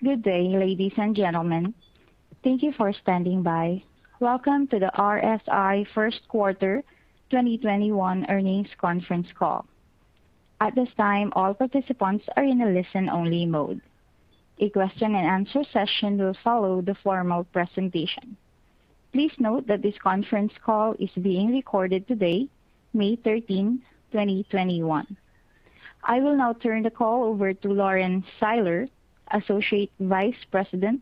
Good day, ladies and gentlemen. Thank you for standing by. Welcome to the RSI First Quarter 2021 Earnings Conference Call. At this time, all participants are in a listen-only mode. A question and answer session will follow the formal presentation. Please note that this conference call is being recorded today, May 13, 2021. I will now turn the call over to Lauren Seiler, Associate Vice President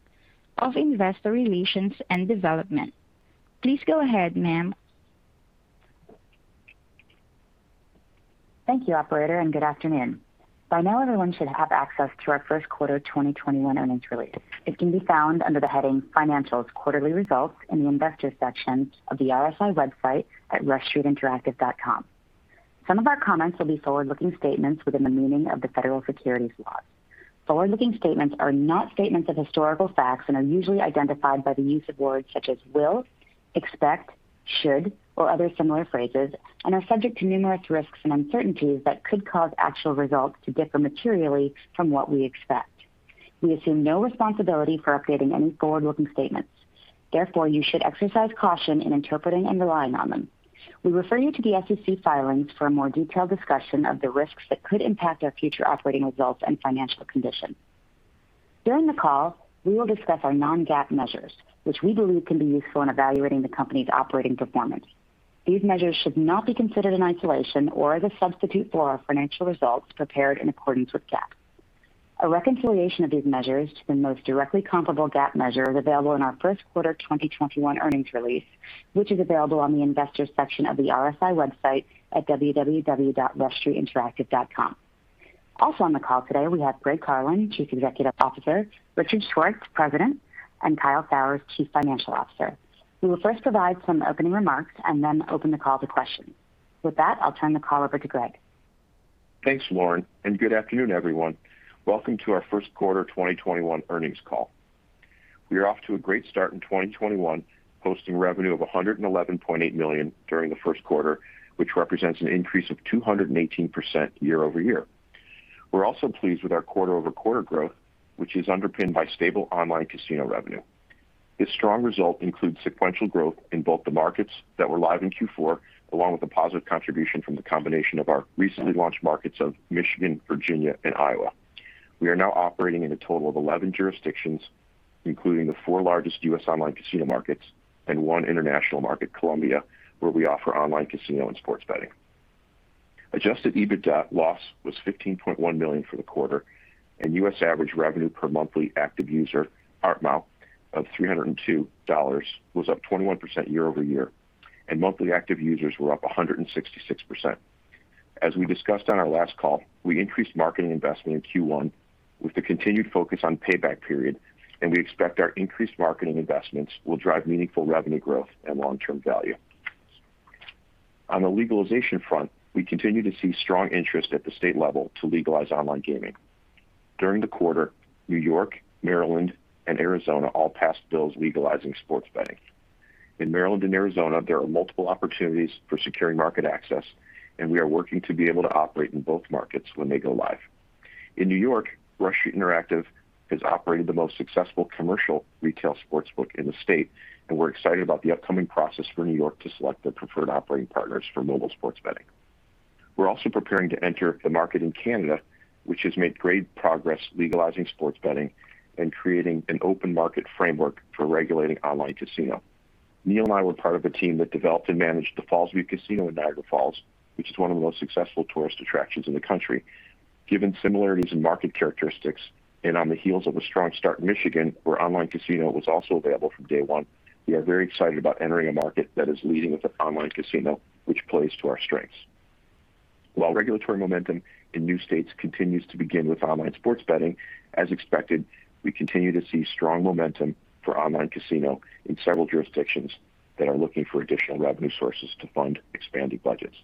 of Investor Relations and Development. Please go ahead, ma'am. Thank you, operator, good afternoon. By now, everyone should have access to our first quarter 2021 earnings release. It can be found under the heading Financials, Quarterly Results in the Investors section of the RSI website at rushstreetinteractive.com. Some of our comments will be forward-looking statements within the meaning of the Federal Securities laws. Forward-looking statements are not statements of historical facts and are usually identified by the use of words such as will, expect, should, or other similar phrases, and are subject to numerous risks and uncertainties that could cause actual results to differ materially from what we expect. We assume no responsibility for updating any forward-looking statements. Therefore, you should exercise caution in interpreting and relying on them. We refer you to the SEC filings for a more detailed discussion of the risks that could impact our future operating results and financial condition. During the call, we will discuss our non-GAAP measures, which we believe can be useful in evaluating the company's operating performance. These measures should not be considered in isolation or as a substitute for our financial results prepared in accordance with GAAP. A reconciliation of these measures to the most directly comparable GAAP measure is available in our first quarter 2021 earnings release, which is available on the Investors section of the RSI website at www.rushstreetinteractive.com. Also on the call today, we have Greg Carlin, Chief Executive Officer, Richard Schwartz, President, and Kyle Sauers, Chief Financial Officer, who will first provide some opening remarks and then open the call to questions. With that, I'll turn the call over to Greg. Thanks, Lauren, good afternoon, everyone. Welcome to our first quarter 2021 earnings call. We are off to a great start in 2021, posting revenue of $111.8 million during the first quarter, which represents an increase of 218% year-over-year. We're also pleased with our quarter-over-quarter growth, which is underpinned by stable online casino revenue. This strong result includes sequential growth in both the markets that were live in Q4, along with the positive contribution from the combination of our recently launched markets of Michigan, Virginia, and Iowa. We are now operating in a total of 11 jurisdictions, including the four largest U.S. online casino markets and one international market, Colombia, where we offer online casino and sports betting. Adjusted EBITDA loss was $15.1 million for the quarter, and U.S. average revenue per monthly active user, ARPMOU, of $302 was up 21% year-over-year, and monthly active users were up 166%. As we discussed on our last call, we increased marketing investment in Q1 with the continued focus on payback period, and we expect our increased marketing investments will drive meaningful revenue growth and long-term value. On the legalization front, we continue to see strong interest at the state level to legalize online gaming. During the quarter, New York, Maryland, and Arizona all passed bills legalizing sports betting. In Maryland and Arizona, there are multiple opportunities for securing market access, and we are working to be able to operate in both markets when they go live. In New York, Rush Street Interactive has operated the most successful commercial retail sportsbook in the state, and we're excited about the upcoming process for New York to select their preferred operating partners for mobile sports betting. We're also preparing to enter the market in Canada, which has made great progress legalizing sports betting and creating an open-market framework for regulating online casino. Neil and I were part of a team that developed and managed the Fallsview Casino in Niagara Falls, which is one of the most successful tourist attractions in the country. Given similarities in market characteristics and on the heels of a strong start in Michigan, where online casino was also available from day one, we are very excited about entering a market that is leading with an online casino, which plays to our strengths. While regulatory momentum in new states continues to begin with online sports betting, as expected, we continue to see strong momentum for online casino in several jurisdictions that are looking for additional revenue sources to fund expanded budgets.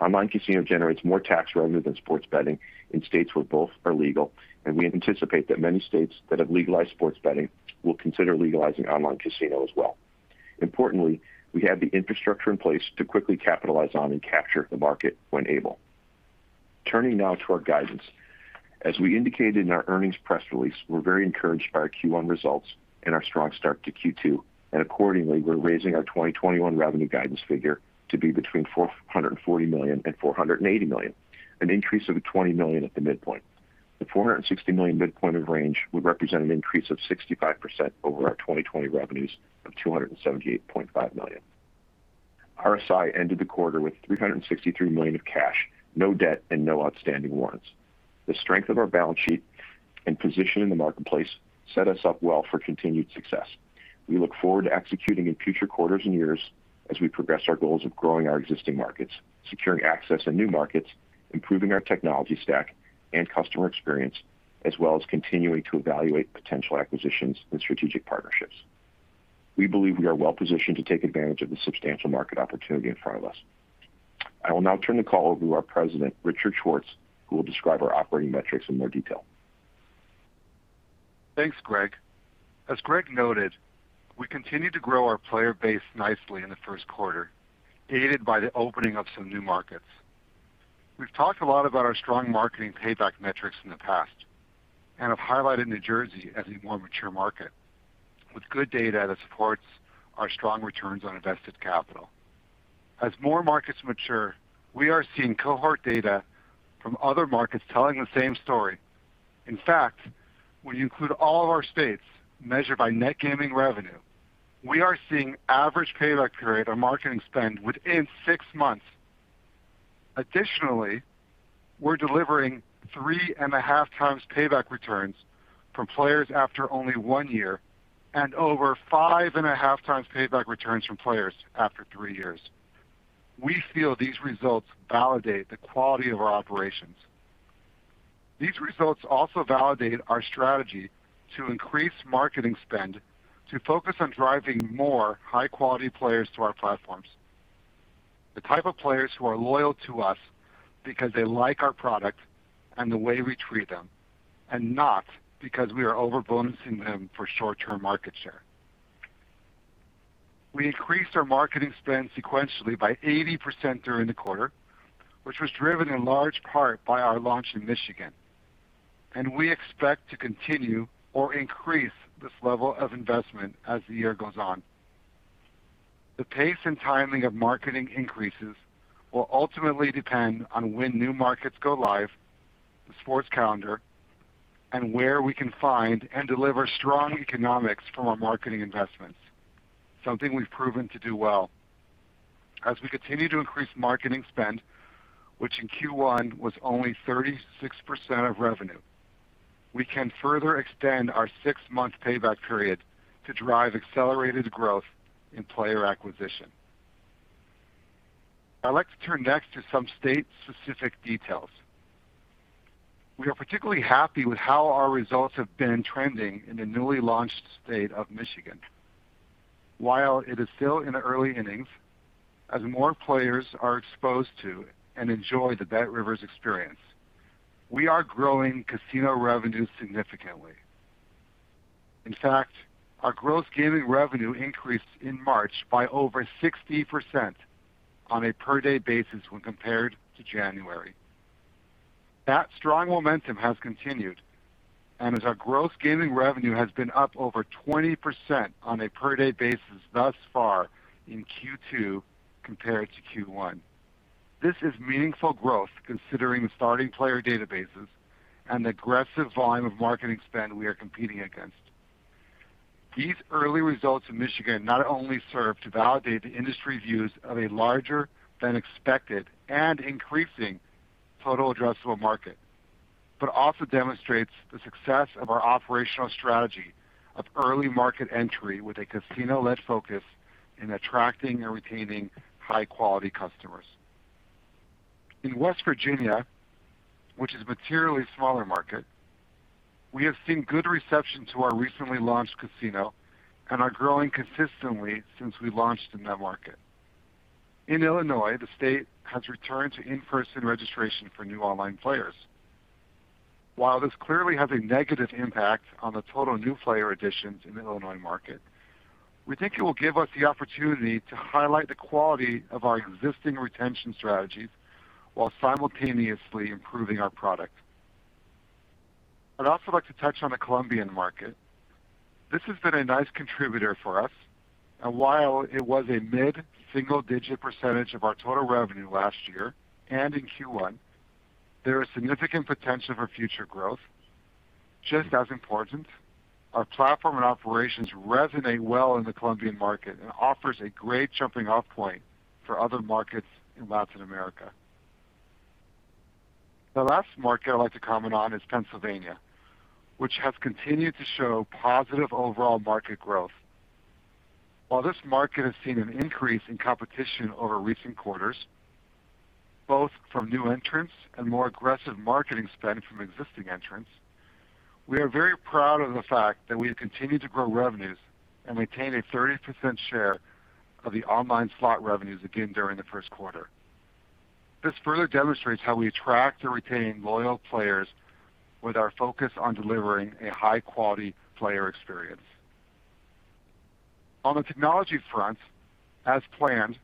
Online casino generates more tax revenue than sports betting in states where both are legal, and we anticipate that many states that have legalized sports betting will consider legalizing online casino as well. Importantly, we have the infrastructure in place to quickly capitalize on and capture the market when able. Turning now to our guidance. As we indicated in our earnings press release, we're very encouraged by our Q1 results and our strong start to Q2, and accordingly, we're raising our 2021 revenue guidance figure to be between $440 million and $480 million, an increase of $20 million at the midpoint. The $460 million midpoint of range would represent an increase of 65% over our 2020 revenues of $278.5 million. RSI ended the quarter with $363 million of cash, no debt, and no outstanding warrants. The strength of our balance sheet and position in the marketplace set us up well for continued success. We look forward to executing in future quarters and years as we progress our goals of growing our existing markets, securing access to new markets, improving our technology stack and customer experience, as well as continuing to evaluate potential acquisitions and strategic partnerships. We believe we are well-positioned to take advantage of the substantial market opportunity in front of us. I will now turn the call over to our President, Richard Schwartz, who will describe our operating metrics in more detail. Thanks, Greg. As Greg noted, we continued to grow our player base nicely in the first quarter, aided by the opening of some new markets. We've talked a lot about our strong marketing payback metrics in the past and have highlighted New Jersey as a more mature market with good data that supports our strong returns on invested capital. As more markets mature, we are seeing cohort data from other markets telling the same story. In fact, when you include all of our states measured by net gaming revenue, we are seeing average payback period on marketing spend within six months. Additionally, we're delivering 3.5 times payback returns from players after only one year and over 5.5 times payback returns from players after three years. We feel these results validate the quality of our operations. These results also validate our strategy to increase marketing spend to focus on driving more high-quality players to our platforms, the type of players who are loyal to us because they like our product and the way we treat them, and not because we are over-bonusing them for short-term market share. We increased our marketing spend sequentially by 80% during the quarter, which was driven in large part by our launch in Michigan, and we expect to continue or increase this level of investment as the year goes on. The pace and timing of marketing increases will ultimately depend on when new markets go live, the sports calendar, and where we can find and deliver strong economics from our marketing investments, something we've proven to do well. As we continue to increase marketing spend, which in Q1 was only 36% of revenue, we can further extend our six-month payback period to drive accelerated growth in player acquisition. I'd like to turn next to some state-specific details. We are particularly happy with how our results have been trending in the newly launched state of Michigan. While it is still in the early innings, as more players are exposed to and enjoy the BetRivers experience, we are growing casino revenue significantly. In fact, our gross gaming revenue increased in March by over 60% on a per-day basis when compared to January. That strong momentum has continued, and as our gross gaming revenue has been up over 20% on a per-day basis thus far in Q2 compared to Q1. This is meaningful growth considering the starting player databases and the aggressive volume of marketing spend we are competing against. These early results in Michigan not only serve to validate the industry's views of a larger than expected and increasing total addressable market, but also demonstrates the success of our operational strategy of early market entry with a casino-led focus in attracting and retaining high-quality customers. In West Virginia, which is a materially smaller market, we have seen good reception to our recently launched casino and are growing consistently since we launched in that market. In Illinois, the state has returned to in-person registration for new online players. While this clearly has a negative impact on the total new player additions in the Illinois market, we think it will give us the opportunity to highlight the quality of our existing retention strategies while simultaneously improving our product. I'd also like to touch on the Colombian market. This has been a nice contributor for us, and while it was a mid-single digit percentage of our total revenue last year and in Q1, there is significant potential for future growth. Just as important, our platform and operations resonate well in the Colombian market and offers a great jumping-off point for other markets in Latin America. The last market I'd like to comment on is Pennsylvania, which has continued to show positive overall market growth. While this market has seen an increase in competition over recent quarters, both from new entrants and more aggressive marketing spend from existing entrants, we are very proud of the fact that we have continued to grow revenues and maintain a 30% share of the online slot revenues again during the first quarter. This further demonstrates how we attract and retain loyal players with our focus on delivering a high-quality player experience. On the technology front, as planned,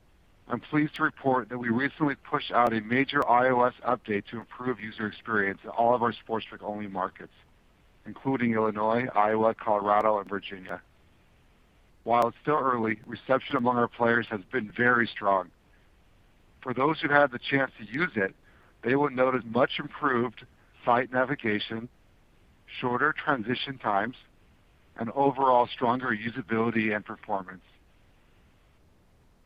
I'm pleased to report that we recently pushed out a major iOS update to improve user experience in all of our sports book-only markets, including Illinois, Iowa, Colorado, and Virginia. While it's still early, reception among our players has been very strong. For those who had the chance to use it, they would notice much improved site navigation, shorter transition times, and overall stronger usability and performance.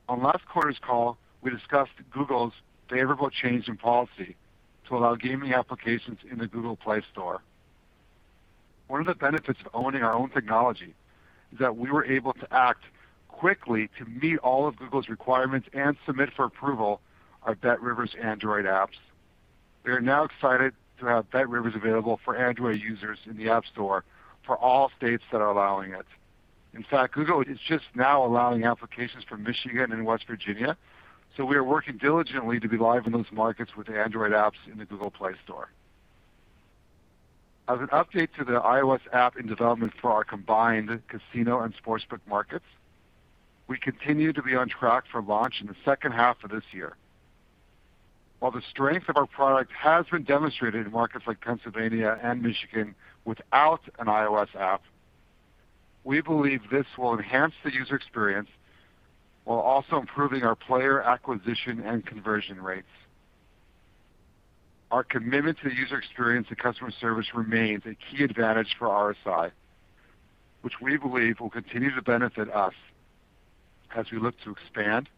On last quarter's call, we discussed Google's favorable change in policy to allow gaming applications in the Google Play Store. One of the benefits of owning our own technology is that we were able to act quickly to meet all of Google's requirements and submit for approval our BetRivers Android apps. We are now excited to have BetRivers available for Android users in the App Store for all states that are allowing it. In fact, Google is just now allowing applications for Michigan and West Virginia, so we are working diligently to be live in those markets with Android apps in the Google Play Store. As an update to the iOS app in development for our combined casino and sportsbook markets, we continue to be on track for launch in the second half of this year. While the strength of our product has been demonstrated in markets like Pennsylvania and Michigan without an iOS app, we believe this will enhance the user experience while also improving our player acquisition and conversion rates. Our commitment to the user experience and customer service remains a key advantage for RSI, which we believe will continue to benefit us as we look to expand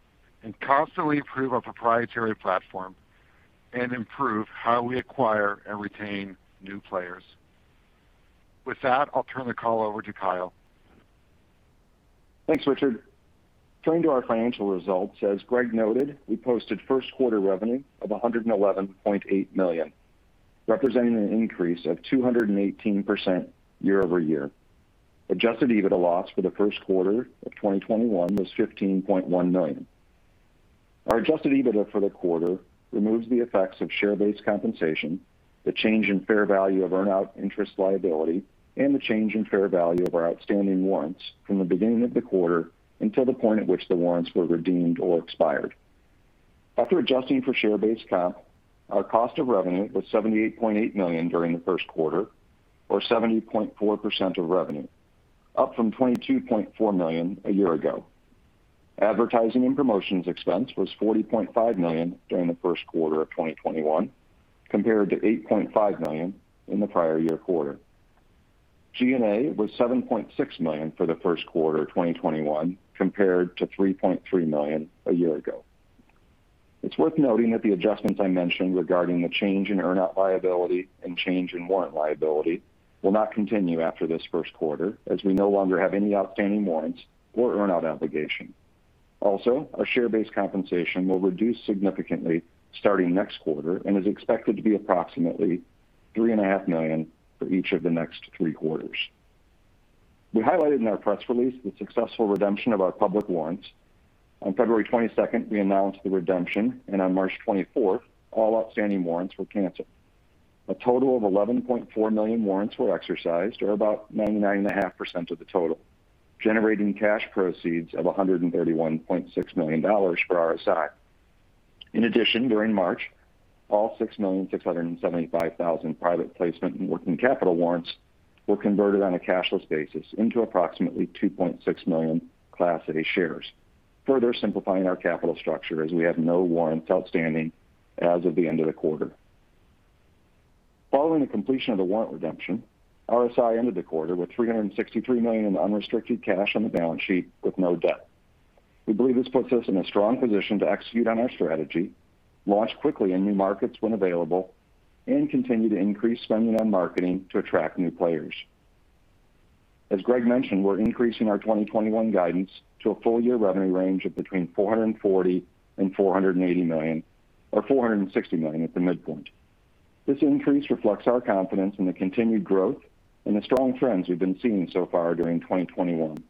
and constantly improve our proprietary platform and improve how we acquire and retain new players. With that, I'll turn the call over to Kyle. Thanks, Richard. Turning to our financial results, as Greg noted, we posted first quarter revenue of $111.8 million, representing an increase of 218% year-over-year. Adjusted EBITDA loss for the first quarter of 2021 was $15.1 million. Our adjusted EBITDA for the quarter removes the effects of share-based compensation, the change in fair value of earn-out interest liability, and the change in fair value of our outstanding warrants from the beginning of the quarter until the point at which the warrants were redeemed or expired. After adjusting for share-based comp, our cost of revenue was $78.8 million during the first quarter, or 70.4% of revenue, up from $22.4 million a year ago. Advertising and promotions expense was $40.5 million during the first quarter of 2021 compared to $8.5 million in the prior year quarter. G&A was $7.6 million for the first quarter of 2021 compared to $3.3 million a year ago. It's worth noting that the adjustments I mentioned regarding the change in earn-out liability and change in warrant liability will not continue after this first quarter, as we no longer have any outstanding warrants or earn-out obligation. Our share-based compensation will reduce significantly starting next quarter and is expected to be approximately $3.5 million for each of the next three quarters. We highlighted in our press release the successful redemption of our public warrants. On February 22nd, we announced the redemption, and on March 24th, all outstanding warrants were canceled. A total of 11.4 million warrants were exercised or about 99.5% of the total, generating cash proceeds of $131.6 million for RSI. In addition, during March, all 6,675,000 private placement and working capital warrants were converted on a cashless basis into approximately 2.6 million Class A shares, further simplifying our capital structure as we have no warrants outstanding as of the end of the quarter. Following the completion of the warrant redemption, RSI ended the quarter with $363 million in unrestricted cash on the balance sheet with no debt. We believe this puts us in a strong position to execute on our strategy, launch quickly in new markets when available, and continue to increase spending on marketing to attract new players. As Greg mentioned, we're increasing our 2021 guidance to a full-year revenue range of between $440 million and $480 million, or $460 million at the midpoint. This increase reflects our confidence in the continued growth and the strong trends we've been seeing so far during 2021.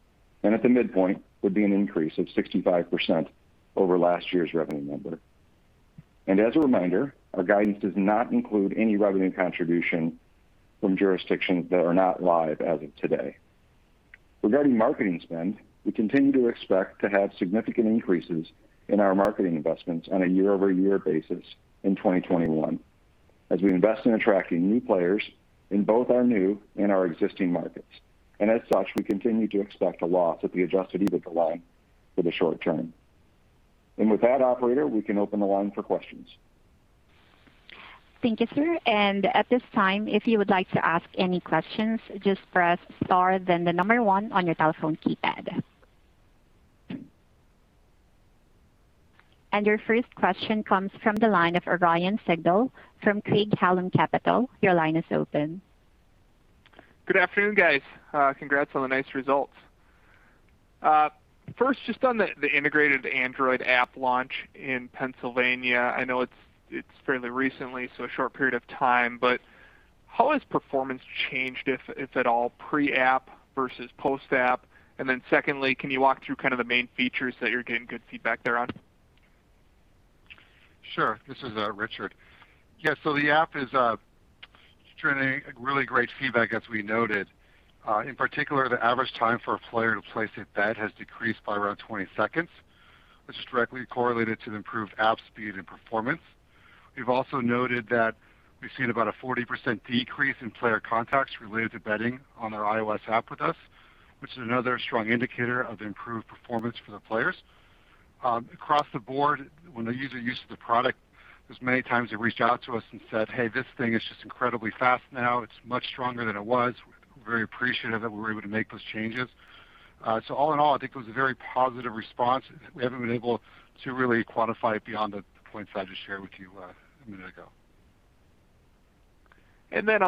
At the midpoint would be an increase of 65% over last year's revenue number. As a reminder, our guidance does not include any revenue contribution from jurisdictions that are not live as of today. Regarding marketing spend, we continue to expect to have significant increases in our marketing investments on a year-over-year basis in 2021, as we invest in attracting new players in both our new and our existing markets. As such, we continue to expect a loss at the adjusted EBITDA line for the short term. With that, operator, we can open the line for questions. Thank you, sir. At this time, if you would like to ask any questions, just press star then one on your telephone keypad. Your first question comes from the line of Ryan Sigdahl from Craig-Hallum Capital. Your line is open. Good afternoon, guys. Congrats on the nice results. Just on the integrated Android app launch in Pennsylvania. I know it's fairly recently, a short period of time, how has performance changed, if at all, pre-app versus post-app? Secondly, can you walk through kind of the main features that you're getting good feedback there on? Sure. This is Richard. The app is generating really great feedback, as we noted. In particular, the average time for a player to place a bet has decreased by around 20 seconds, which is directly correlated to the improved app speed and performance. We've also noted that we've seen about a 40% decrease in player contacts related to betting on our iOS app with us, which is another strong indicator of improved performance for the players. Across the board, when a user uses the product, there's many times they reached out to us and said, "Hey, this thing is just incredibly fast now. It's much stronger than it was." We're very appreciative that we were able to make those changes. All in all, I think it was a very positive response. We haven't been able to really quantify it beyond the points that I just shared with you a minute ago.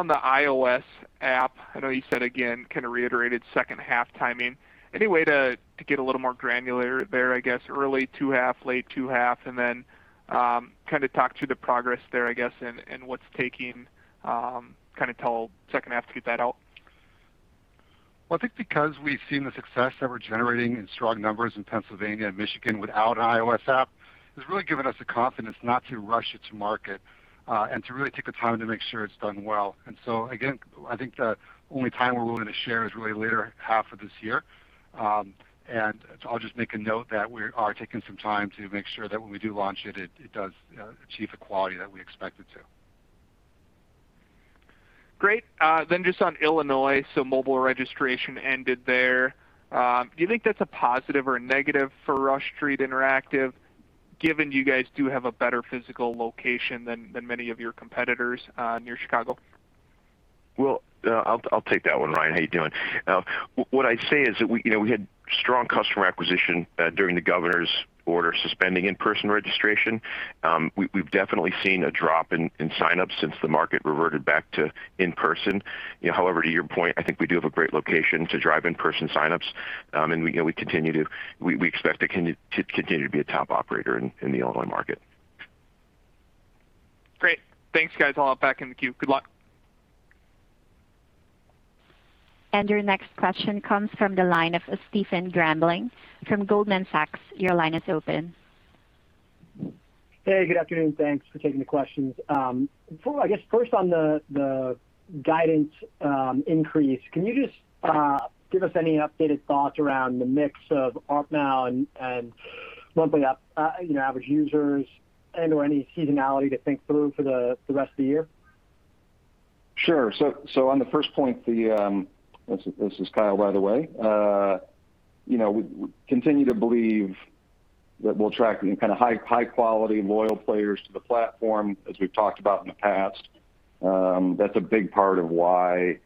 On the iOS app, I know you said again, kind of reiterated second half timing. Any way to get a little more granular there, I guess, early two half, late two half, and then kind of talk to the progress there, I guess, and what's taking kind of till second half to get that out? I think because we've seen the success that we're generating in strong numbers in Pennsylvania and Michigan without an iOS app, has really given us the confidence not to rush it to market, and to really take the time to make sure it's done well. Again, I think the only time we're willing to share is really later half of this year. I'll just make a note that we are taking some time to make sure that when we do launch it does achieve the quality that we expect it to. Great. Just on Illinois, mobile registration ended there. Do you think that's a positive or a negative for Rush Street Interactive, given you guys do have a better physical location than many of your competitors near Chicago? Well, I'll take that one, Ryan. How you doing? What I'd say is that we had strong customer acquisition during the governor's order suspending in-person registration. We've definitely seen a drop in signups since the market reverted back to in-person. To your point, I think we do have a great location to drive in-person signups. We continue to expect to continue to be a top operator in the Illinois market. Great. Thanks, guys. I'll hop back in the queue. Good luck. Your next question comes from the line of Stephen Grambling from Goldman Sachs. Your line is open. Hey, good afternoon. Thanks for taking the questions. I guess first on the guidance increase, can you just give us any updated thoughts around the mix of ARPU now and monthly average users and/or any seasonality to think through for the rest of the year? Sure. On the first point, this is Kyle, by the way. We continue to believe that we'll attract high-quality, loyal players to the platform, as we've talked about in the past. That's a big part of why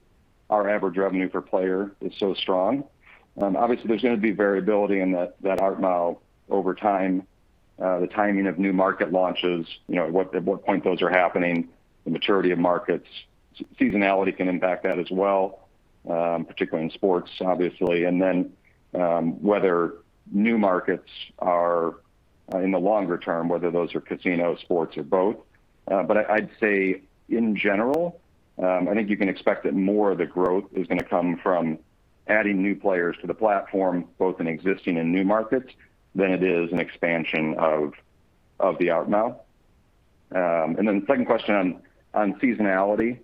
our average revenue per player is so strong. Obviously, there's going to be variability in that ARPU over time. The timing of new market launches, at what point those are happening, the maturity of markets. Seasonality can impact that as well, particularly in sports, obviously. Whether new markets are in the longer term, whether those are casino, sports, or both. I'd say in general, I think you can expect that more of the growth is going to come from adding new players to the platform, both in existing and new markets, than it is an expansion of the ARPU now. Second question on seasonality.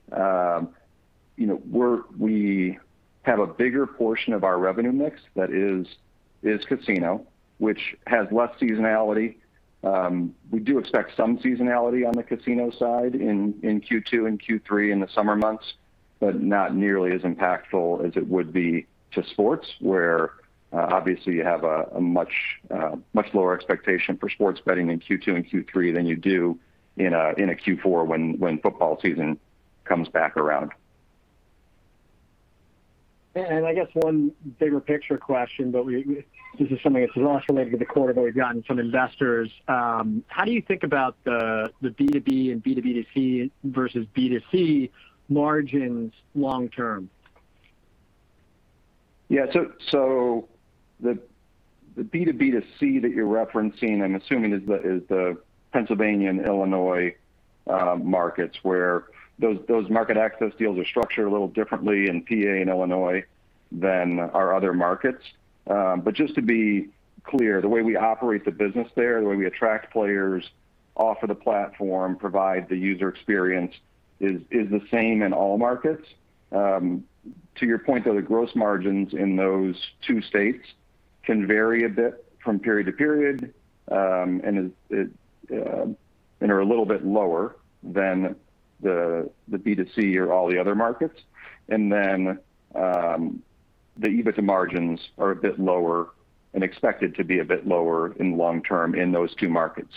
We have a bigger portion of our revenue mix that is casino, which has less seasonality. We do expect some seasonality on the casino side in Q2 and Q3 in the summer months, but not nearly as impactful as it would be to sports, where obviously you have a much lower expectation for sports betting in Q2 and Q3 than you do in a Q4 when football season comes back around. I guess one bigger picture question, but this is something that's also related to the quarter that we've gotten from investors. How do you think about the B2B and B2B2C versus B2C margins long term? Yeah. The B2B2C that you're referencing, I'm assuming is the Pennsylvania and Illinois markets where those market access deals are structured a little differently in PA and Illinois than our other markets. Just to be clear, the way we operate the business there, the way we attract players, offer the platform, provide the user experience is the same in all markets. To your point, though, the gross margins in those two states can vary a bit from period to period, and are a little bit lower than the B2C or all the other markets. The EBITDA margins are a bit lower and expected to be a bit lower in long term in those two markets.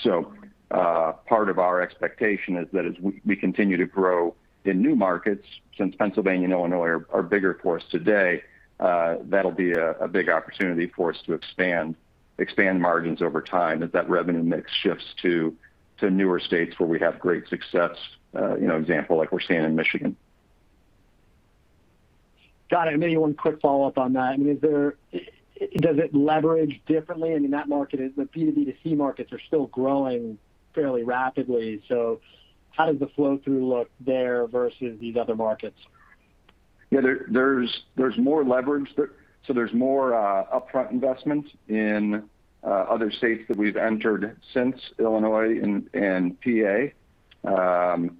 Part of our expectation is that as we continue to grow in new markets, since Pennsylvania and Illinois are bigger for us today, that'll be a big opportunity for us to expand margins over time as that revenue mix shifts to newer states where we have great success, example like we're seeing in Michigan. Got it. Maybe one quick follow-up on that. Does it leverage differently? The B2B2C markets are still growing fairly rapidly. How does the flow-through look there versus these other markets? Yeah, there's more leverage. There's more upfront investment in other states that we've entered since Illinois and PA. Therefore,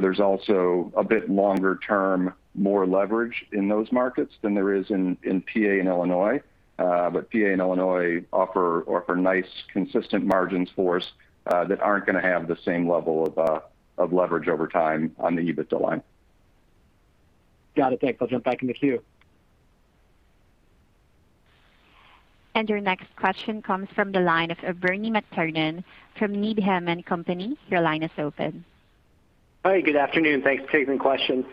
there's also a bit longer term, more leverage in those markets than there is in PA and Illinois. PA and Illinois offer nice, consistent margins for us that aren't going to have the same level of leverage over time on the EBITDA line. Got it. Thanks. I'll jump back in the queue. Your next question comes from the line of Bernie McTernan from Needham & Company. Your line is open. Hi, good afternoon. Thanks for taking the question.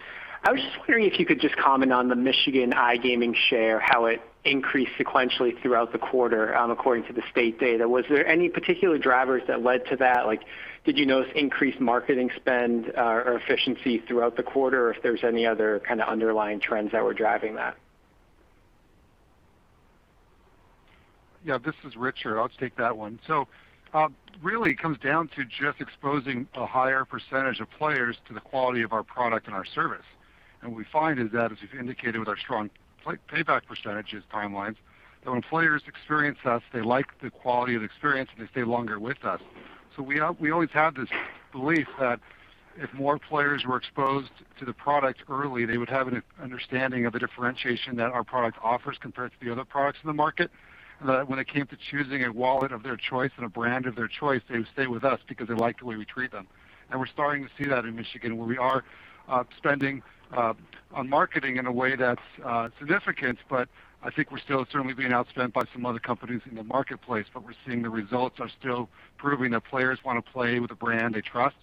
I was just wondering if you could just comment on the Michigan iGaming share, how it increased sequentially throughout the quarter according to the state data. Was there any particular drivers that led to that? Did you notice increased marketing spend or efficiency throughout the quarter, or if there's any other kind of underlying trends that were driving that? Yeah, this is Richard. I'll take that one. Really, it comes down to just exposing a higher percentage of players to the quality of our product and our service. What we find is that, as we've indicated with our strong payback percentages timelines, that when players experience us, they like the quality of the experience, and they stay longer with us. We always had this belief that if more players were exposed to the product early, they would have an understanding of the differentiation that our product offers compared to the other products in the market, and that when it came to choosing a wallet of their choice and a brand of their choice, they would stay with us because they like the way we treat them. We're starting to see that in Michigan, where we are spending on marketing in a way that's significant, but I think we're still certainly being outspent by some other companies in the marketplace. We're seeing the results are still proving that players want to play with a brand they trust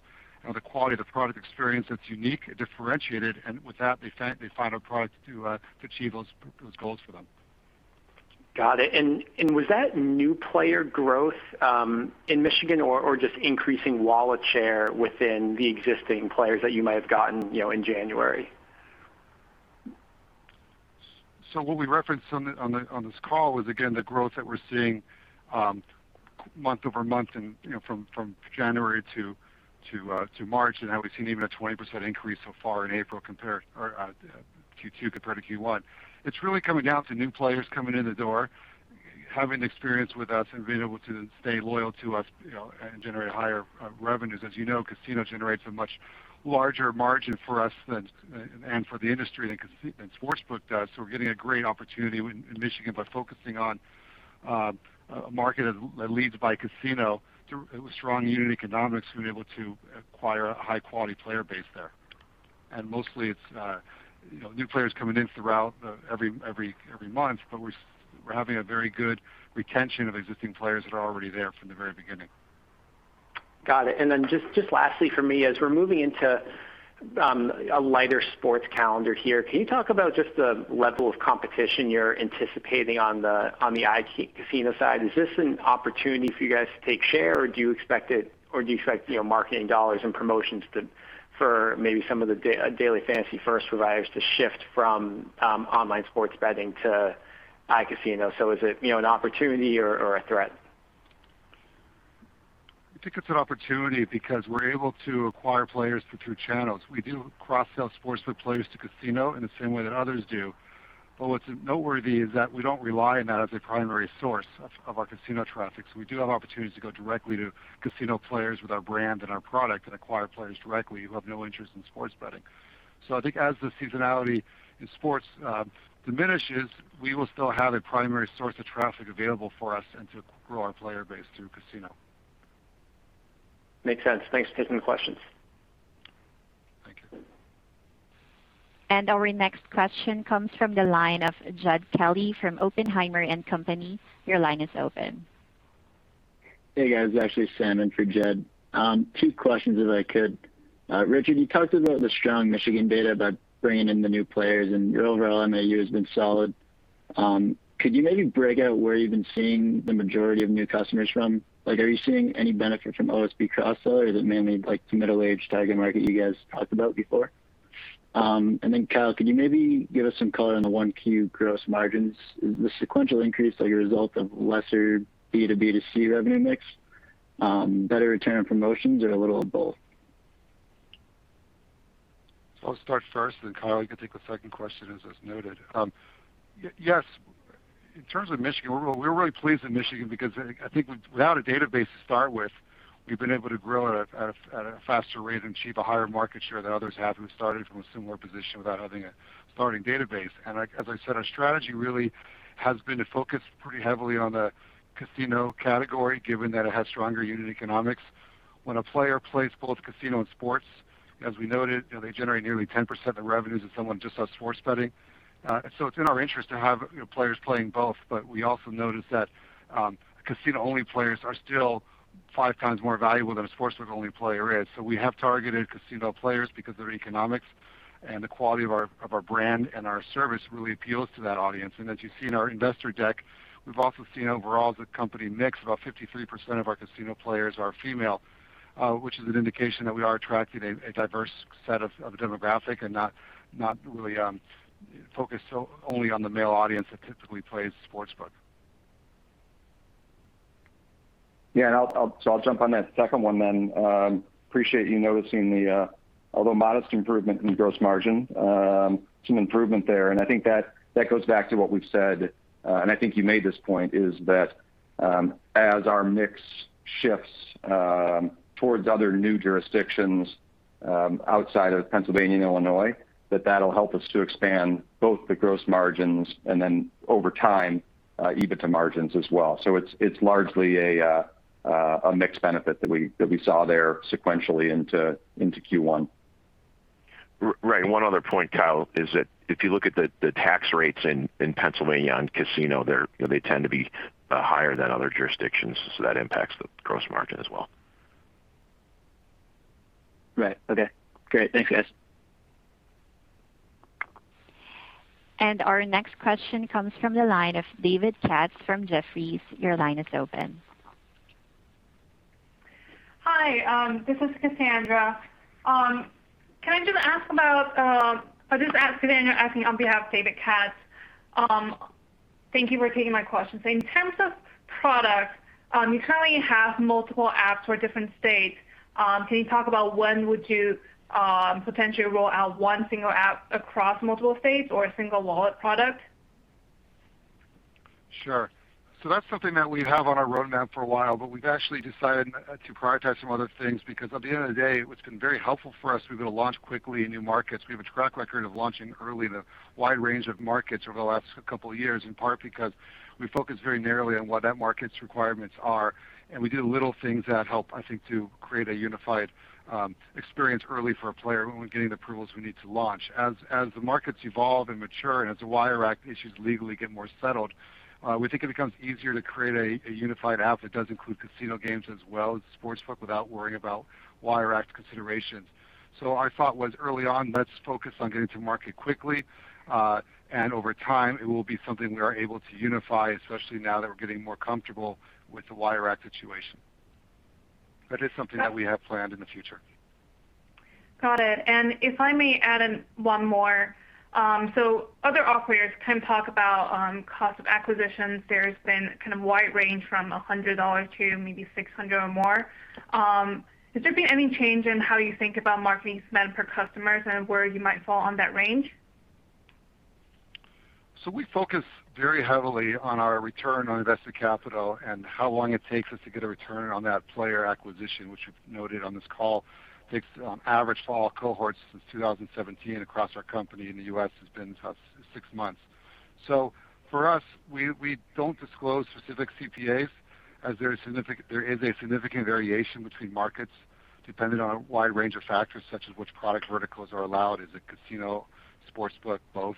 and with the quality of the product experience that's unique and differentiated, and with that, they find our product to achieve those goals for them. Got it. Was that new player growth in Michigan or just increasing wallet share within the existing players that you might have gotten in January? What we referenced on this call was, again, the growth that we're seeing month-over-month and from January to March, and now we've seen even a 20% increase so far in April or Q2 compared to Q1. It's really coming down to new players coming in the door, having experience with us, and being able to stay loyal to us and generate higher revenues. As you know, casino generates a much larger margin for us and for the industry than sportsbook does. We're getting a great opportunity in Michigan by focusing on a market that leads by casino through strong unit economics and being able to acquire a high-quality player base there. Mostly, it's new players coming in throughout every month, but we're having a very good retention of existing players that are already there from the very beginning. Got it. Then just lastly from me, as we're moving into a lighter sports calendar here, can you talk about just the level of competition you're anticipating on the iCasino side? Is this an opportunity for you guys to take share, or do you expect marketing dollars and promotions for maybe some of the daily fantasy first providers to shift from online sports betting to iCasino? Is it an opportunity or a threat? I think it's an opportunity because we're able to acquire players through channels. We do cross-sell sports for players to casino in the same way that others do. What's noteworthy is that we don't rely on that as a primary source of our casino traffic. We do have opportunities to go directly to casino players with our brand and our product and acquire players directly who have no interest in sports betting. I think as the seasonality in sports diminishes, we will still have a primary source of traffic available for us and to grow our player base through casino. Makes sense. Thanks. Taking the questions. Thank you. Our next question comes from the line of Jed Kelly from Oppenheimer & Co. Inc.. Your line is open. Hey, guys. It's actually Simon for Jed. Two questions, if I could. Richard, you talked about the strong Michigan data about bringing in the new players, and your overall MAU has been solid. Could you maybe break out where you've been seeing the majority of new customers from? Are you seeing any benefit from OSB cross-sell, or is it mainly the middle-aged target market you guys talked about before? Kyle, could you maybe give us some color on the 1Q gross margins? Is the sequential increase a result of lesser B2B2C revenue mix, better return on promotions, or a little of both? I'll start first, then Kyle Sauers, you can take the second question, as was noted. Yes, in terms of Michigan, we're really pleased in Michigan because I think without a database to start with, we've been able to grow at a faster rate and achieve a higher market share than others have who started from a similar position without having a starting database. As I said, our strategy really has been to focus pretty heavily on the casino category, given that it has stronger unit economics. When a player plays both casino and sports, as we noted, they generate nearly 10% of the revenues of someone just on sports betting. It's in our interest to have players playing both. We also noticed that casino-only players are still five times more valuable than a sportsbook-only player is. We have targeted casino players because of their economics, and the quality of our brand and our service really appeals to that audience. As you've seen our investor deck, we've also seen overall the company mix, about 53% of our casino players are female, which is an indication that we are attracting a diverse set of demographic and not really focused only on the male audience that typically plays Sportsbook. Yeah, I'll jump on that second one. Appreciate you noticing the, although modest improvement in gross margin, some improvement there. I think that goes back to what we've said, and I think you made this point, is that as our mix shifts towards other new jurisdictions outside of Pennsylvania and Illinois, that that'll help us to expand both the gross margins and then over time, EBITDA margins as well. It's largely a mixed benefit that we saw there sequentially into Q1. Right. One other point, Kyle, is that if you look at the tax rates in Pennsylvania on casino, they tend to be higher than other jurisdictions. That impacts the gross margin as well. Right. Okay, great. Thanks, guys. Our next question comes from the line of David Katz from Jefferies. Your line is open. Hi, this is Cassandra. I'm asking on behalf of David Katz. Thank you for taking my questions. In terms of products, you currently have multiple apps for different states. Can you talk about when would you potentially roll out one single app across multiple states or a single wallet product? That's something that we've had on our roadmap for a while, but we've actually decided to prioritize some other things because at the end of the day, what's been very helpful for us, we've been able to launch quickly in new markets. We have a track record of launching early in a wide range of markets over the last couple of years, in part because we focus very narrowly on what that market's requirements are, and we do little things that help, I think, to create a unified experience early for a player when we're getting the approvals we need to launch. As the markets evolve and mature, and as the Wire Act issues legally get more settled, we think it becomes easier to create a unified app that does include casino games as well as sportsbook without worrying about Wire Act considerations. Our thought was early on, let's focus on getting to market quickly. Over time, it will be something we are able to unify, especially now that we're getting more comfortable with the Wire Act situation. That is something that we have planned in the future. Got it. If I may add in one more. Other operators can talk about cost of acquisitions. There's been kind of a wide range from $100 to maybe $600 or more. Has there been any change in how you think about marketing spend per customers and where you might fall on that range? We focus very heavily on our return on invested capital and how long it takes us to get a return on that player acquisition, which we've noted on this call takes on average for all cohorts since 2017 across our company in the U.S. has been six months. For us, we don't disclose specific CPAs as there is a significant variation between markets depending on a wide range of factors, such as which product verticals are allowed, is it casino, sportsbook, both?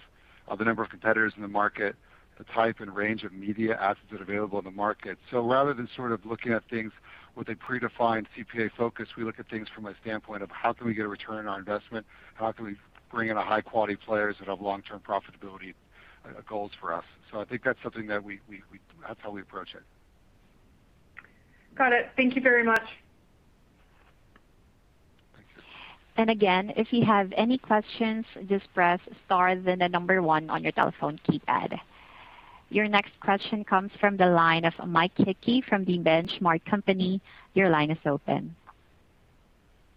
The number of competitors in the market, the type and range of media assets that are available in the market. Rather than sort of looking at things with a predefined CPA focus, we look at things from a standpoint of how can we get a return on investment, how can we bring in a high-quality players that have long-term profitability goals for us. I think that's something. That's how we approach it. Got it. Thank you very much. Thank you. Again, if you have any questions, just press star, then the number one on your telephone keypad. Your next question comes from the line of Mike Hickey from The Benchmark Company. Your line is open.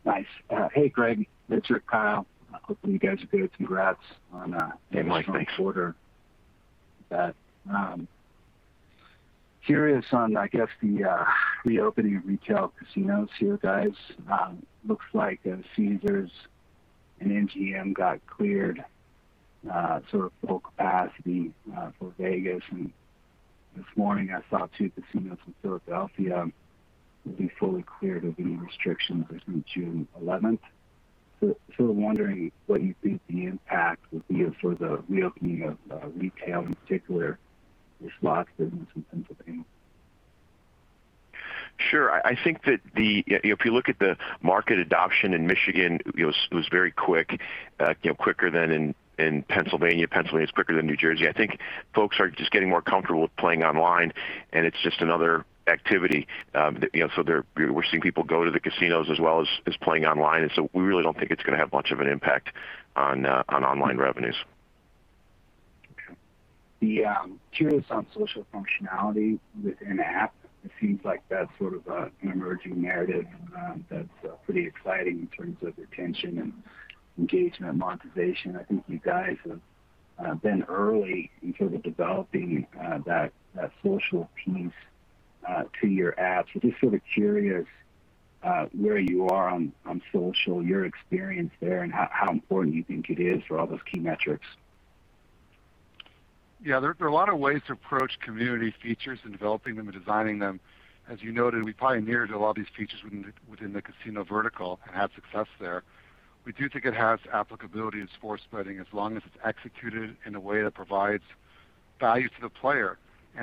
Nice. Hey, Greg, Richard, Kyle. Hopefully, you guys are good. Congrats on- Hey, Mike. Thanks. a strong quarter. Curious on, I guess, the reopening of retail casinos here, guys. Looks like Caesars and MGM got cleared, sort of full capacity for Vegas. This morning, I saw two casinos in Philadelphia will be fully cleared of any restrictions as of June 11th. Sort of wondering what you think the impact would be for the reopening of retail, in particular with slots in Pennsylvania. Sure. I think that if you look at the market adoption in Michigan, it was very quick, quicker than in Pennsylvania. Pennsylvania is quicker than New Jersey. I think folks are just getting more comfortable with playing online, and it's just another activity. We're seeing people go to the casinos as well as playing online. We really don't think it's going to have much of an impact on online revenues. Okay. Curious on social functionality within the app. It seems like that's sort of an emerging narrative that's pretty exciting in terms of retention and engagement, monetization. I think you guys have been early in terms of developing that social piece to your app. Just sort of curious where you are on social, your experience there, and how important you think it is for all those key metrics. Yeah, there are a lot of ways to approach community features in developing them and designing them. As you noted, we pioneered a lot of these features within the casino vertical and had success there. We do think it has applicability in sports betting as long as it's executed in a way that provides value to the player.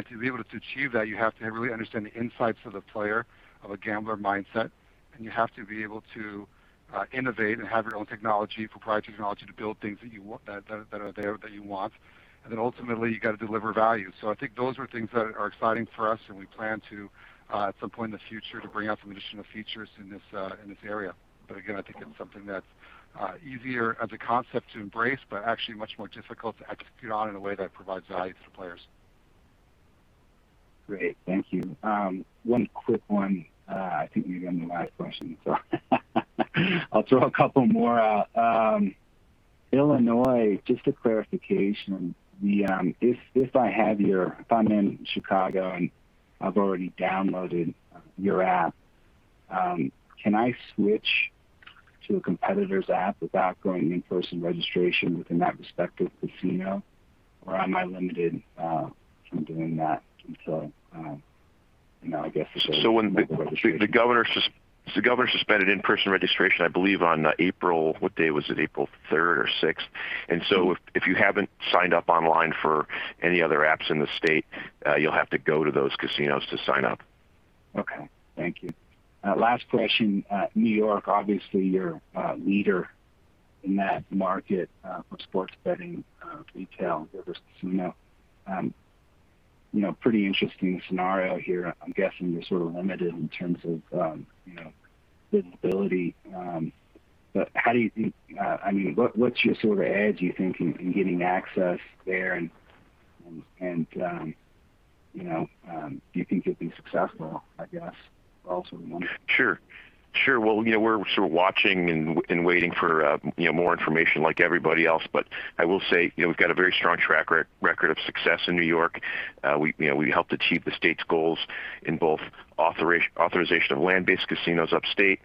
To be able to achieve that, you have to really understand the insights of the player, of a gambler mindset, and you have to be able to innovate and have your own technology, proprietary technology, to build things that are there that you want. Ultimately, you got to deliver value. I think those are things that are exciting for us, and we plan to, at some point in the future, to bring out some additional features in this area. Again, I think it's something that's easier as a concept to embrace, but actually much more difficult to execute on in a way that provides value to the players. Great. Thank you. One quick one. I think maybe I'm the last question, so I'll throw a couple more out. Illinois, just a clarification. If I'm in Chicago and I've already downloaded your app, can I switch to a competitor's app without going in-person registration within that respective casino, or am I limited from doing that? When the governor suspended in-person registration, I believe on April, what day was it? April 3rd or 6th. If you haven't signed up online for any other apps in the state, you'll have to go to those casinos to sign up. Okay. Thank you. Last question. New York, obviously, you're a leader in that market for sports betting retail versus casino. Pretty interesting scenario here. I'm guessing you're sort of limited in terms of visibility. What's your edge, do you think, in getting access there? Do you think you'll be successful, I guess, also wondering? Sure. Well, we're sort of watching and waiting for more information like everybody else. I will say, we've got a very strong track record of success in New York. We helped achieve the state's goals in both authorization of land-based casinos upstate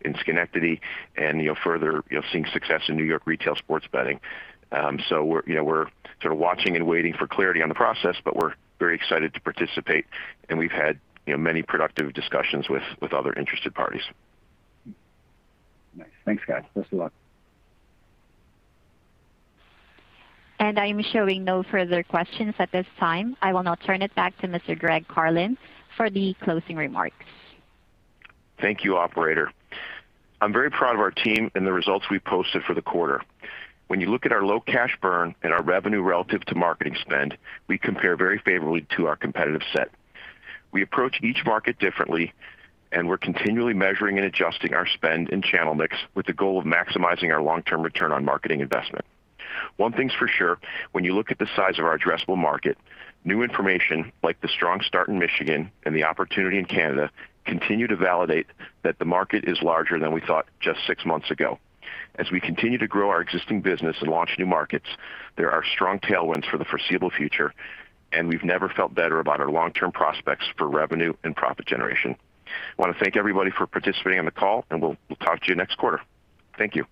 in Schenectady and further seeing success in New York retail sports betting. We're sort of watching and waiting for clarity on the process, but we're very excited to participate, and we've had many productive discussions with other interested parties. Nice. Thanks, guys. Best of luck. I'm showing no further questions at this time. I will now turn it back to Mr. Greg Carlin for the closing remarks. Thank you, operator. I'm very proud of our team and the results we posted for the quarter. When you look at our low cash burn and our revenue relative to marketing spend, we compare very favorably to our competitive set. We approach each market differently, and we're continually measuring and adjusting our spend and channel mix with the goal of maximizing our long-term return on marketing investment. One thing's for sure, when you look at the size of our addressable market, new information like the strong start in Michigan and the opportunity in Canada continue to validate that the market is larger than we thought just six months ago. As we continue to grow our existing business and launch new markets, there are strong tailwinds for the foreseeable future, and we've never felt better about our long-term prospects for revenue and profit generation. I want to thank everybody for participating on the call, and we'll talk to you next quarter. Thank you.